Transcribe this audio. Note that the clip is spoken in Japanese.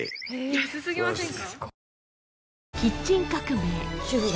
安すぎませんか？